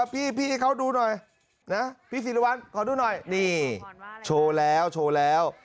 พี่ให้เขาดูหน่อยนะพี่ศิริวัลขอดูหน่อยนี่โชว์แล้วโชว์แล้ว